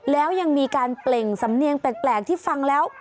แล้วยังมีการเปล่งสำเนียงแปลกที่ฟังแล้ว